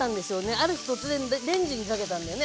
ある日突然レンジにかけたんだよね